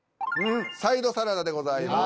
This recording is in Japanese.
サイドサラダでございます。